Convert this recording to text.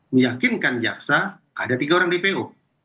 meyakinkan jaksa ada tiga orang dpo